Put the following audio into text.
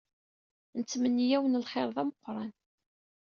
Nettmenni-awen lxir d ameqran.